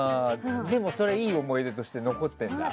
でも、それはいい思い出として残ってるんだ？